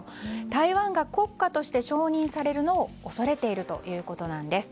台湾が国家として承認されるのを恐れているということなんです。